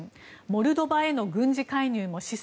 モルドバへの軍事介入も示唆。